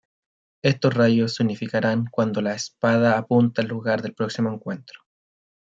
Estos rayos se unirán cuando la espada apunte al lugar del próximo encuentro.